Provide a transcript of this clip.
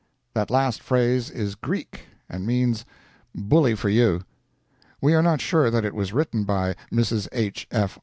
That last phrase is Greek, and means "Bully for you!" We are not sure that it was written by Mrs. H. F.